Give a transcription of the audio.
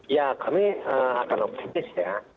ya kami akan optimis ya